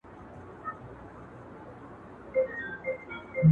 او د سلطنت واګي په لاس کي ونيسي